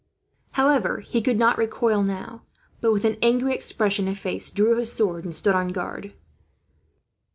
However, he could not recoil now but, with an angry expression of face, drew his sword and stood on guard.